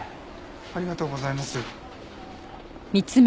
ありがとうございます。